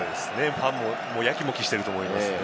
ファンも焼きもきしていると思いますね。